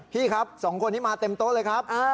พี่ครับสองคนนี้มาเต็มโต๊ะเลยครับ